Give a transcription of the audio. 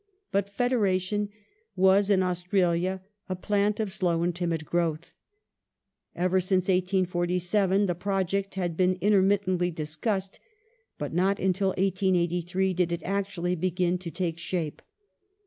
But Federation was, in Australia, a plant of slow and timid growth. Ever since 1847 the project had been intermittently discussed, but not until 1883 did it actually begin to take shape.